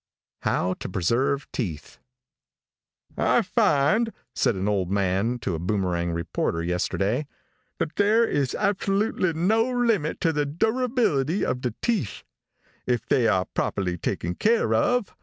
HOW TO PRESERVE TEETH |I FIND," said an old man to a Boomerang reporter, yesterday, "that there is absolutely no limit to the durability of the teeth, if they are properly taken care of.